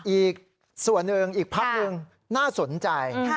อีกส่วนหนึ่งอีกพักหนึ่งน่าสนใจ